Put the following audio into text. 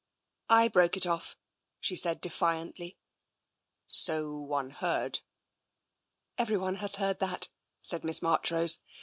'*" I broke it off," she said defiantly. " So one heard." " Everyone has heard that," said Miss Marchrose.